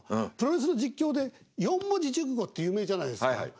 プロレスの実況で四文字熟語って有名じゃないですか。